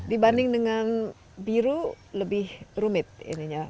dibanding dengan biru lebih rumit ini ya